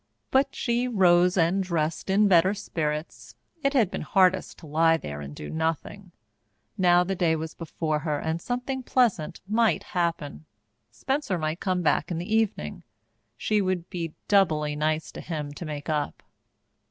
But she rose and dressed in better spirits. It had been hardest to lie there and do nothing. Now the day was before her and something pleasant might happen. Spencer might come back in the evening. She would be doubly nice to him to make up.